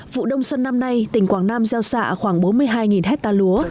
vụ đông xuân năm nay tỉnh quảng nam gieo xạ khoảng bốn mươi hai hectare lúa